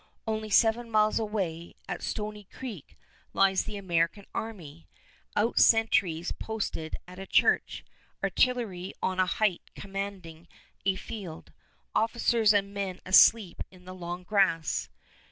Only seven miles away, at Stony Creek, lies the American army, out sentries posted at a church, artillery on a height commanding a field, officers and men asleep in the long grass.